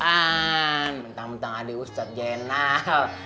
minta minta adik ustadz jenal